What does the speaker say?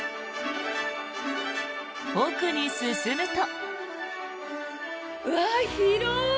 奥に進むと。